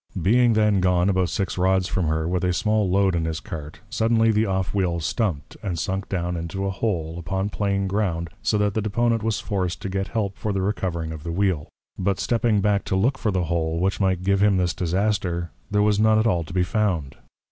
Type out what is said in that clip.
_ Being then gone about six Rods from her, with a small Load in his Cart, suddenly the Off wheel stump'd, and sunk down into an hole, upon plain Ground; so that the Deponent was forced to get help for the recovering of the Wheel: But stepping back to look for the hole, which might give him this Disaster, there was none at all to be found.